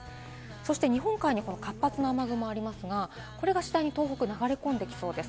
そして日本海に活発な雨雲がありますが、これが次第に東北に流れ込んできそうです。